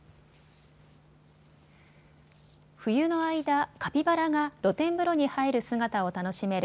冬の間、カピバラが露天風呂に入る姿を楽しめる